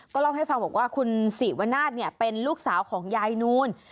ก็เล่าให้ฟังว่าคุณสิวนาทเนี่ยเป็นลูกสาวของยายนูน